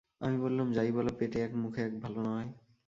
আমি বললুম, যাই বল, পেটে এক মুখে এক ভালো নয়।